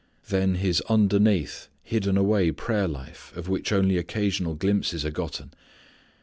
Then His underneath hidden away prayer life of which only occasional glimpses are gotten.